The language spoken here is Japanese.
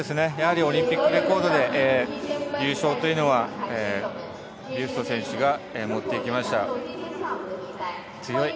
やはりオリンピックレコードで優勝というのは、ビュスト選手が持っていきました。